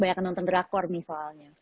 banyak yang nonton drakor misalnya